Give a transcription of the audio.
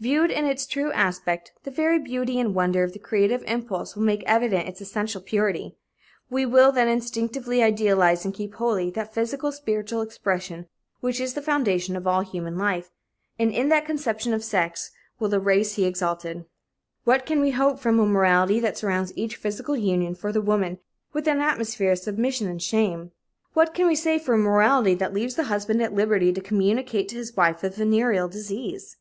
Viewed in its true aspect, the very beauty and wonder of the creative impulse will make evident its essential purity. We will then instinctively idealize and keep holy that physical spiritual expression which is the foundation of all human life, and in that conception of sex will the race he exalted. What can we expect of offspring that are the result of "accidents" who are brought into being undesired and in fear? What can we hope for from a morality that surrounds each physical union, for the woman, with an atmosphere of submission and shame? What can we say for a morality that leaves the husband at liberty to communicate to his wife a venereal disease?